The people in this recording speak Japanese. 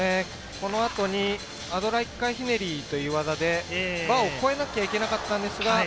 この後にアドラー１回ひねりという技で、バーを越えなくてはいけなかったんですが。